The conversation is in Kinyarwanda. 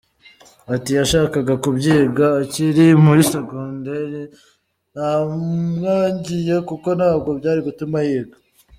Ati “Yashakaga kubyiga akiri muri secondaire, naramwangiye kuko ntabwo byari gutuma yiga.